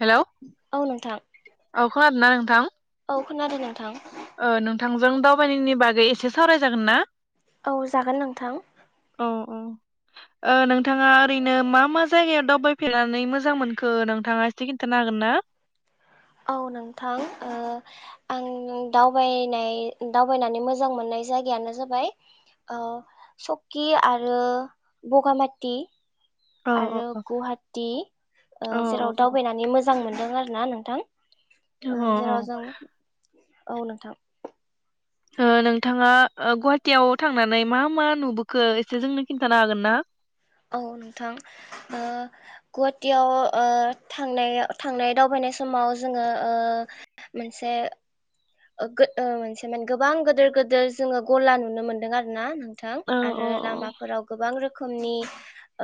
Hello औ खोनादोंना नों थां। औ खोनादों नोंथां। ओ नोंथांजों दावबायनायनि बागै एसे सावराय जागोन ना? औ जागोन नोंथां। औ औ ओ नोंथाङा ओरैनो मा मा जायगायाव दावबायफेरनानै मोजां मोनखो नोंथाङा एसे खिन्थानो हागोन ना? औ नोंथां ओ आं दावबायनाय दावबायनानै मोजां मोननाय जायगायानो जाबाय ओ सकि आरो बगामाति। अ अ आरो गुहाटी ओ अ जेराव अ दावबायनानै मोजां मोन - दों आरो ना नोंथां। ओ जेराव जों [unintelligible] औ नोंथां। ओ नोंथाङा ओ गुवाहाटियाव थांनानै मा मा नुबोखो एसे जोंनो खिन्थानो हागोन ना औ नोंथां ओ गुवाहाटीयाव ओ थांनाय-थांनाय दावबायनाय समाव जोङो ओ मोनसे [unintelligible] गोबां गोदोर गोदोर जोङो गला नुनो मोनदों आरो ना नोंथां औ औ आरो लामाफोराव गोबां रोख खोमनि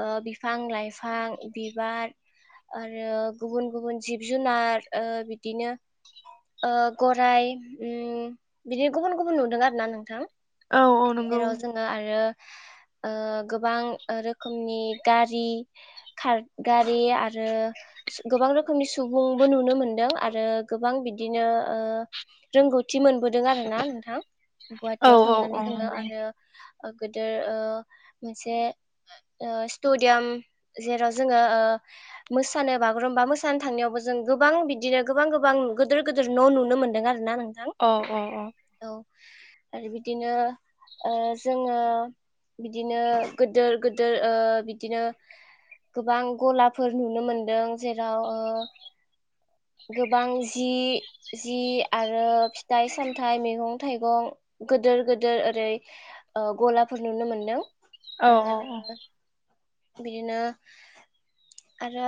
ओ बिफां लाइफां बिबार आरो गुबुन गुबुन जिब जुनार ओ बिदिनो ओ गराय उम बिदि गुबुन गुबुन नुदों आरो ना नोंथां औ औ नंगौ जेराव जोङो आरो ओ गोबां ओ रोखोमनि गारि खार गारि आ रो गोबां रोखोमनि सुबुंबो नुनो मोनदों आ रो गोबां बिदिनो ओ रोंगौ थि मोनबोदों आरो ना नोंथां औ गुवाहाटियाव औ थांनानै औ जोङो नंगौ आरो ओ गोदोर ओ मोनसे ओ स्टुडियाम जेराव जोङो ओ मोसानो बागुरुमबा मोसानो थांनायावबो जों गोबां बिदिनो गोबां गोबां गोदोर गोदोर न नुनो मोनदों आर ना नों अ अ अ आरो बिदिनो ओ जोङो बिदिनो गोदोर गोदोर ओ बिदिनो गोबां गलाफोर नुनो मोनदों जेराव ओ गोबां जि-जि आरो फि थाइ सामथाइ मैगं थाइगं गोदोर गो दोर ओरै ओ गलाफोर नुनो मोनदों औ आरो बिदिनो आरो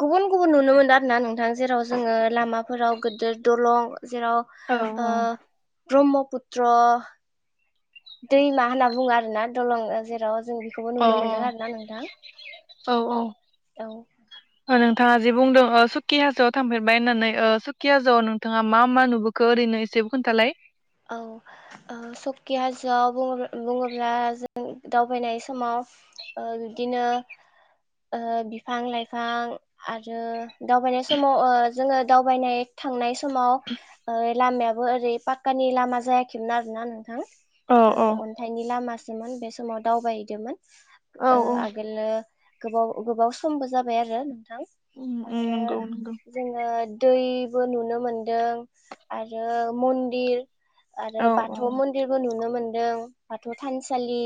गुबुन गुबुन नुनो मोनदों आरो ना नोंथां जेराव जोङो लामाफोराव गोदोर दलं जेराव औ ओ ब्रह्मपुत्र दैमा होनना बुङो आरो ना दलं ओ जेराव जों बेखौबो औ नुनो मोनदों आरो ना नोंथां औ औ औ ओ नोंथाङा जे बुंदों ओ सुकि हाजोआव थांफेरबाय होननानै ओ सुकि हाजोआव नोंथाङा मा मा नुबोखो ओरैनो एसे खोन्थालाय औ ओ सकि हाजोआव बुङो-बुङोब्ला जों दावबायनाय समाव ओ बिदिनो ओ बिफां लाइफां आरो दावबायनाय समाव ओ जोङो दावबायनाय थांनाय सम समाव ओ लामायाबो ओरै पाक कानि लामा जायाखैमोन आरोना नोंथां औ ओ औ अन्थाइनि लामासो [unintelligible] बे समाव दावबायहैदोंमोन औ ओ औ आगोलो गोबाव-गोबाव समबो जाबाय आरो उम [unintelligible] उम आरो नंगौ नंगौ जोंङो दैबो नुनो मोनदों आरो मन्दिर आरो औ औ बाथौ मन्दिरबो नुनो मोन ओ बाथौ थानसालि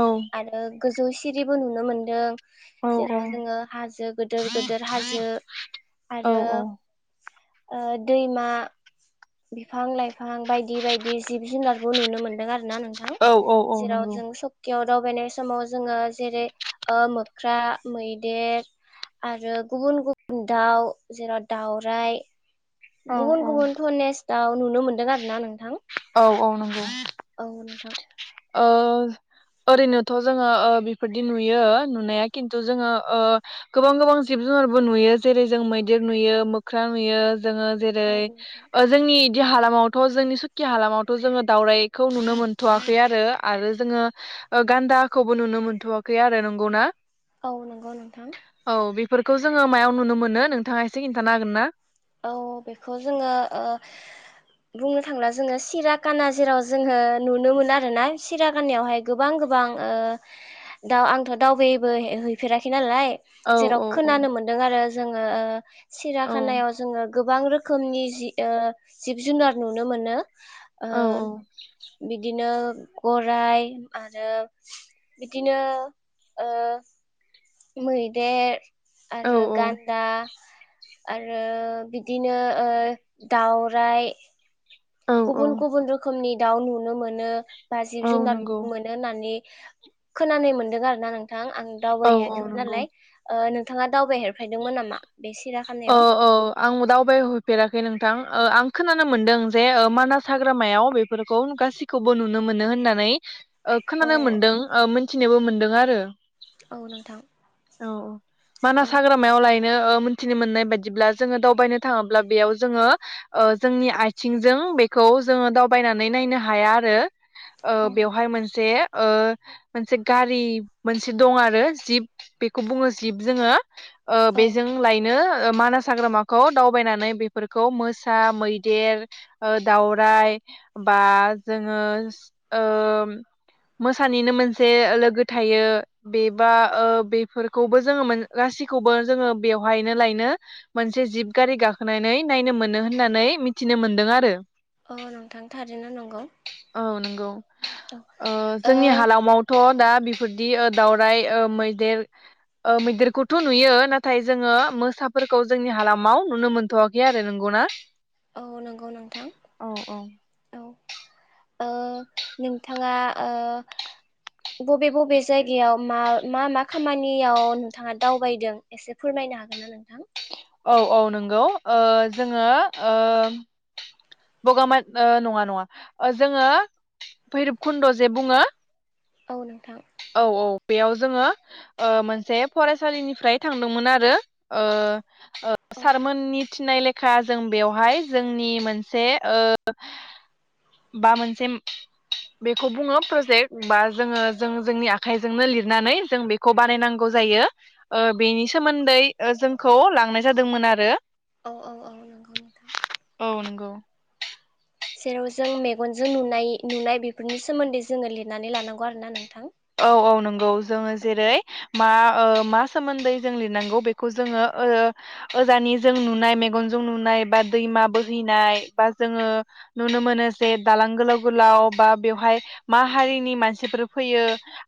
औ आरो गोज जौ सिरिबो नुनो मोनदों। औ जेराव जोंङो हाजो गोदोर-गोदोर हाजो औ आरो ओ दैमा बिफां-लाइ फां बायदि-बायदि जिब जुनारबो नुनो मोन्दों आरो ना नोंथां औ औ औ जेराव नंगौ जों सिङायाव दावबायनाय समाव जोंङो जेरै मोख्रा मैदेर आरो गुबुन गुबुन दाउ जेराव दावराइ औ गुबुन औ गुबुन ध'नेस दाउ नुनो मोन्दों आरो ना नोंथां। औ-औ नंगौ। औ नोंथां। ओ ओरैनोथ' जोंङो ओ बेफोरदि नुयो नुनाया खिन्थु जोंङो ओ गोबां-गोबां जिब जुनारबो नुयो जेरै जों मैदेर नुयो मोख्रा नुयो। जोंङो जेरै औ नोंथां ओ जोंनि हालामावथ' जोंनि सुकि हालामावथ' जोंङो दावरायखौ नुनो मोनथ'वाखै। ओमफाय आरो-आरो जोंङो ओ गान्दाखौबो नुनो मोनथ'वाखै आरो नंगौना? औ नंगौ नोंथां। औ बेफोरखौ जोंङो मायाव नुनो मोनो नोंथांआ एसे खिन्थानो हागोन ना? औ बेखौ जोंङो ओ बुंनो थांला जोंङो सिराखाना जेराव जोंङो नुनो मोनो आरोना सिराखानावहाय गोबां गोबां ओ दाउ आंथ' दावबायबोहैफेराखैबो नालाय। औ जेराव औ औ खोनानो मोनदों आरो जोंङो ओ औ सिराखानायाव गोबां रोखोमनि जि ओ जिब-जुनार नुनो मोनो। ओ औ बिदिनो गराय आरो बिदिनो ओ मैदेर औ आरो गान्दा आरो बिदिनो ओ दाउराय औ औ गुबुन-गुबुन रोखोमनि दाउ नुनो मोनो। बा औ जिब-जुनार नंगौ मोनो होननानै खोनानाय मोनदों आरो ना नोंथां। ओ आं औ औ दावबायहैयाखैमोन नंगौ नालाय ओ नों नोंथाङा दावबायहेफेरदोंमोन नामा? बे औ सिराखानायाव औ आं दावबायहैफेराखै नोंथां। ओ आं खोनानो मोनदों जे ओ मानास हाग्रामायाव बेफोरखौ गासिखौबो नुनो मोनो होननानै ओ औ खोनानो मोनदों ओ मोनसे नोबो मोनदों आरो। औ नोंथां। औ औ। औ मानास हाग्रामायावलाय म [unintelligible] मिथिनो मोननाय बायदिब्ला जोङो दावबायनो थाङोब्ला बेयाव जोङो ओ जोंनि आथिंजों बेखौ जोङो दावबायनानै नायनो हाया आरो ओ बेवहाय नोंथां मोनसे ओ मोनसे गारि मोनसे दं आरो जिब बेखौ बुङो जिब जोङो। ओ औ बेजों बेनो मानास हाग्रामाखौ दावबायनानै बेफोरखौ मोसा मैदेर ओ दावराय बा जोङो ओ मोसानिनो मोनसे लोगो थायो बेबा ओ बेफोरखौबो जोंङो गासिखौबो जोङो बेवहायनो लायनो मोनसे जिब गारि गाखोनानै नायनो मोनो होननानै मिथिनो मोनदों आरो। अ नोंथां थारै नंगौ। औ नंगौ। औ ओ जोंनि ओ हालामावथ' औ दा बेफोरदि दावराय ओ मैदेर ओ मैदेरखौथ' नुयो ना नाथाय जोङो मोसाफोरखौ जोंनि हालामाव नुनो मोनथ'वाखै आरो नोंगौना? औ नंगौ नोंथां औ। ओ नोंथाङा ओ बबे बबे जायगायाव मा मा मा खामानियाव नोंथाङा दावबायदों एसे फोरमायनो हागोन ना नोंथां? औ औ नंगौ ओ जोङो ओ बगामा नङा नङा जोङो भैरबकुन्द' जे बुङो औ नोंथां। औ औ बेयाव जोङो ओ मोनसे फरायसालिनिफ्राय थांदोंमोन आरो ओ ओ औ सारमोननि थिनाय लेखा जों बेवहाय जोंनि मोनसे ओ बा मोनसे बेखौ बुङो प्रजेक्ट बा जोङो जों जोंनि आखाइजोंनो लिरनानै जों बेखौ बानायनांगौ जायो ओ बेनि सोमोन्दै जोंखौ लांनाय जादोंमोन आरो। औ औ औ नांगौ नोंथां। औ नंगौ। जेराव जों मेगनजों नुनाय नुनाय बेफोरनि सोमोन्दै जोङो लिरनानै लानांगौ आरो ना नों औ औ नंगौ जोङो जेरै मा मा सोमोन्दै जों लिरनांगौ बेखौ जोङो ओ ओजानिजों नुनाय मेगनजों नुनाय बा दैमा बोहैनाय बा जोङो नुनो मोनो जे दालां गोलाव गोलाव बा बेवहाय मा हारिनि मानसिफोर फैयो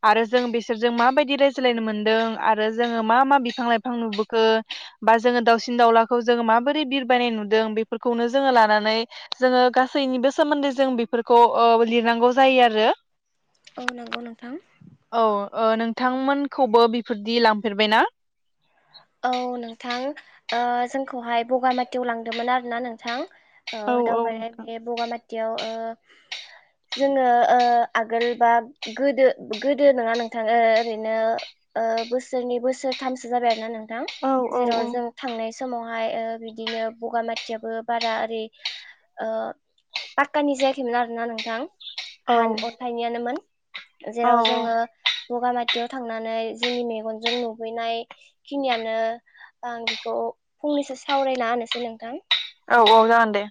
आरो जों बिसोरजों माबायदि रायज्लायनो मोनदों आरो जोङो मा मा बिफां लाइफां नुबोखो बा जोङो दावसिन दाउलाखौ जोङो माबोरै बिरबायनाय नुदों बेफोरखौनो जोङो लानानै जोङो गासैनिबो सोमोन्दै जों बेफोरखौ ओ लिरनांगौ जायो आरो। औ नंगौ नों औ ओ नोंथांमोनखौबो बि फोरदि लांफेरबायना? औ नोंथां ओ जोंखौहाय बगामाथियाव लांदोंमोन आर ना नोंथां। औ औ ओ-दावबायनाय नोंथां बे बगामाथियाव ओ जोङो ओ-आगोल बा गोदो गोदो नङा नोंथाङ ओ-ओरैनो ओ-बोसोरनि बोसोरथामसो जाबाय आरो ना नोंथ थां औ औ जेराव औ जों थांनाय समाव। [unintelligible] ओ-बिदिनो बगामाथियाबो बारा ओरै ओ-पाखकानि जायाखैमोन आरोना नोंथां। औ हान अथाइनियानोमोन। जेराव औ जोङो। बगामाथियाव थांनानै जोंनि मेगनजों नुुबैनाय। खिनियानो आं बेखौ फंनैसो सावरायना होनोसै नोंथां। औ औ जागोन दे।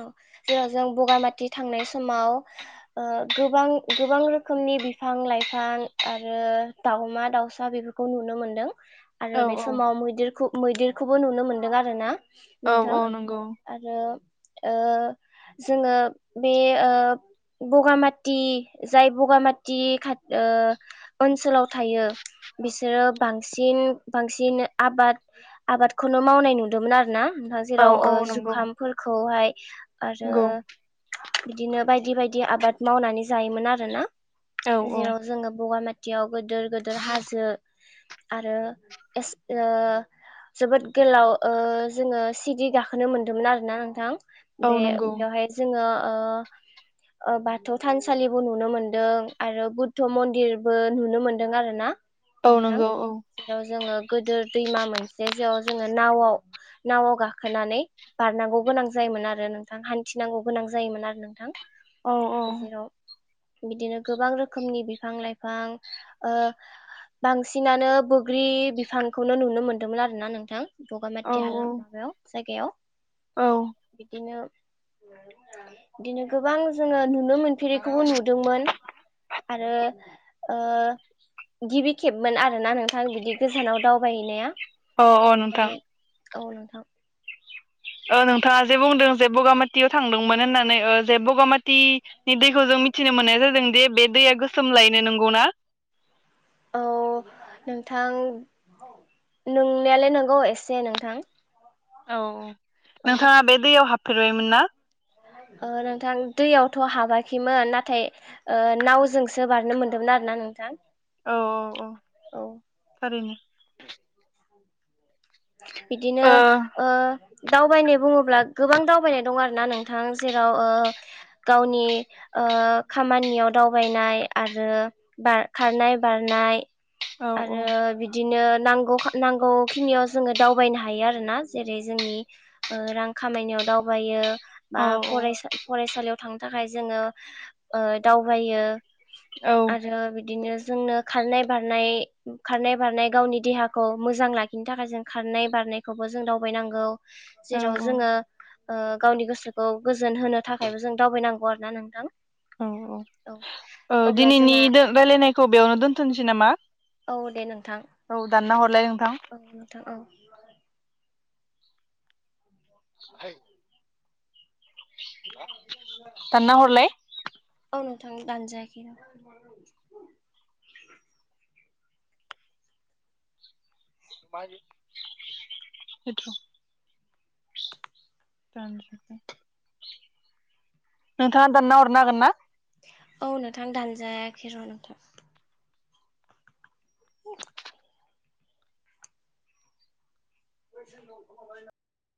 औ जेराव जों बगामाथि थांनाय समाव ओ-गोबां गोबां रोखोमनि बिफां लाइफां आरो दावमा दाउसा बेफोरखौ नुनो मोनदों। आरो औ बे औ समाव मैदिर खुब मैदेरखौबो नुनो मोनदों आरो ना। औ नोंथां औ नंगौ आरो। ओ-जोङो बे ओ-बगामाथि जाय बगामाथि खाथ-ओ- ओनसोलाव थायो बिसोरो बांसिन बांसिन आबाद आबादखौनो मावनाय नुदोंमोन आरो ना। [unintelligible] औ जेराव औ नंगौ ओ-जुखामफोरख औहाय। आरो। नंगौ बिदिनो बायदि बायदि आबाद मावनानै जायोमोन आरोना। औ औ जेराव जोङो बगामाथ थियाव। गोदोर गोदोर हाजो। आरो एस ओ-जोबोद गोलाव ओ-जोङो सिडि गाखोनो मोन्दोंमोन आरोना आं। थां। औ बे नंगौ बेवहाय जोङो। ओ-ओ-बाथौ थानसालिबो नुनो मोनदों आरो बुद्ध मन्दिरबो नुनो मोनदों आर ना। औ नोंथां नंगौ औ जेराव जोङो गोदो। दैमा मोनसे जयाव जोङो नावआव नावआव गाखोनानै बारनांगौ गोनां जा जायोमोन आरो नोंथां हान्थिनांगौ गोनां जायोमोन आरो नोंथां। औ औ। जेराव बिदिनो गोबां रोखोमनि बिफां लाइफां ओ-बांसिनानो बोग्रि बिफांखौनो नुनो मोनदोंमोन आरो ना नोंथां। बगामाथि हालाम माबायाव। जायगायाव। औ। बिदिनो बिदिनो गोबां जोङो नुन नो मोनफेरैखौबो नुदोंमोन आरो। ओ-गिबि खेबमोन आरोना नोंथां बिदि गोजानाव दावबायहैनाया। अ' अ' नोंथां। औ नोंथां। ओ नोंथाङा जे बुंदों जे बगामाथियाव थांदोंमोन होननानै ओ जे बगामाथिनि दैखौ जों मिथिनो मोननाय जादों दे बे दैया गोसोमलायनो नोंगौना? औ नोंथां नोंनायालाय नोंगौ एसे नोंथां। औ। औ नोंथाङा बे दैयाव हाब फेरबायमोन ना? ओ नोंथां दैयावथ' हाबाखैमोन नाथाय ओ नावजोंसो बारनो मोनदोंमोन आरो ना नोंथां। औ औ औ औ थारैनो। बिदिनो ओ औ ओ दावबायनाय बुङोब्ला गोबां दावबायनाय दं आरो ना नोंथां जेराव ओ गावनि ओ खामानियाव दावबायनाय आरो खारनाय, बारनाय आरो बिदिनो नांगौ खा नांगौ खिनियाव जोङो दावबायनो हायो आरोना जेरै जोंनि ओ रां खामायनायाव दावबायो बा औ फरायसा फरायसालियाव थांनो थाखाय जोङो ओ दावबायो। औ आरो बिदिनो जोंनो खारनाय बारनाय, खारनाय बारनाय गावनि देहाखौ मोजां लाखिनो थाखाय जों खारनाय बारनायखौबो जों दावबायनांगौ। औ जेराव औ जोङो ओ गावनि गोसोखौ गोजोन होनो थाखायबो जों दावबायनांगौ आरो ना नोंथां। औ औ, ओ अब्ला दिनैनि जोंहा रायलायनायखौ बेयावनो दोन्थ'नोसै नामा? औ दे नोंथां। औ दानना हरलाय औ नोंथां औ नोथां औ। है दानना हरलाय औ नों थां दानजायाखैनो। [unintelligible] नोंथाङा दानना हरनो हागोन ना? औ नोंथां दानजायाखै र' नोंथां। बेनिफ्राय [inaudible]